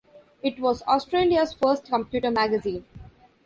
It was Australia's first computer magazine.